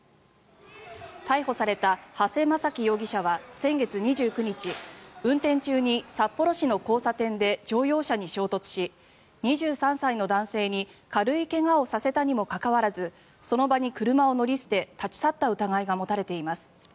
逮捕された長谷正樹容疑者は先月２９日運転中に札幌市の交差点で乗用車に衝突し２３歳の男性に軽い怪我をさせたにもかかわらずその場に車を乗り捨て立ち去った疑いが持たれています。